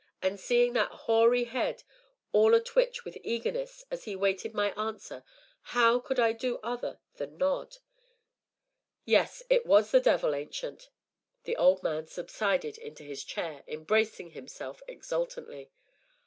And, seeing that hoary head all a twitch with eagerness as he waited my answer, how could I do other than nod? "Yes, it was the devil, Ancient." The old man subsided into his chair; embracing himself exultantly.